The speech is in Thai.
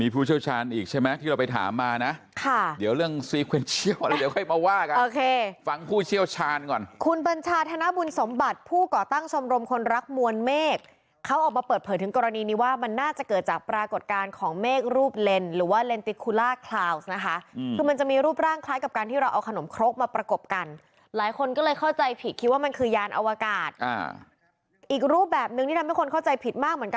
รูปแบบนึงที่ทำให้คนเข้าใจผิดมากเหมือนกัน